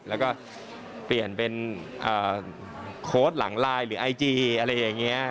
แล้วก็เปลี่ยนเป็นโค้ดหลังไลน์หรือไอจีอะไรอย่างนี้